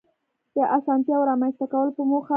د آسانتیاوو رامنځته کولو په موخه